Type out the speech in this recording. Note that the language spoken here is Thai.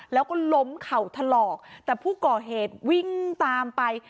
แล้วก็ล้มเข่าถลอกแต่ผู้ก่อเหตุวิ่งตามไป